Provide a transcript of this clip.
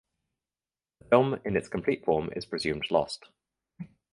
The film in its complete form is presumed lost.